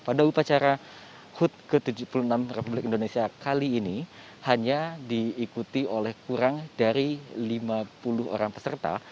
pada upacara hut ke tujuh puluh enam republik indonesia kali ini hanya diikuti oleh kurang dari lima puluh orang peserta